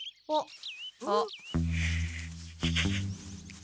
あっ！